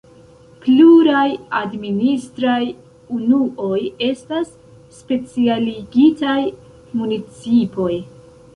Pluraj administraj unuoj estas specialigitaj municipoj.